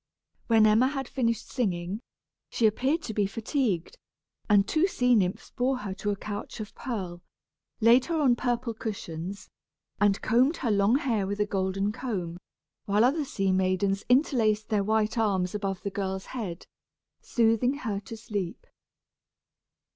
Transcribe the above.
When Emma had finished singing, she appeared to be fatigued, and two sea nymphs bore her to a couch of pearl, laid her on purple cushions, and combed her long hair with a golden comb, while other sea maidens interlaced their white arms above the girl's head, soothing her to sleep.